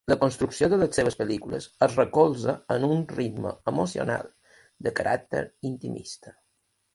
La construcció de les seves pel·lícules es recolza en un ritme emocional, de caràcter intimista.